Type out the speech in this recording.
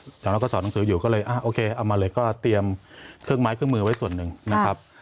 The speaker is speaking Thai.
จากนั้นก็สอนหนังสืออยู่ก็เลยโอเคเอามาเลยก็เตรียมเครื่องไม้เครื่องมือไว้ส่วนหนึ่งนะครับ